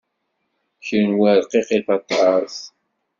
Kenwi rqiqit aṭas.